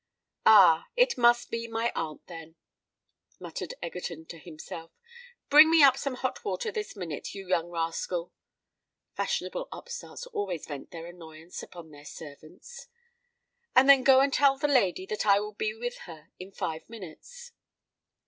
"Ah! it must be my aunt, then!" muttered Egerton to himself. "Bring me up some hot water this minute, you young rascal:"—fashionable upstarts always vent their annoyances upon their servants;—"and then go and tell the lady that I will be with her in five minutes."